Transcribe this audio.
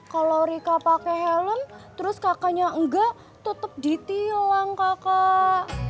kalau rika pakai helm terus kakaknya enggak tetep ditilang kakak